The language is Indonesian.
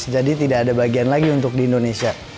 jadi tidak ada bagian lagi untuk di indonesia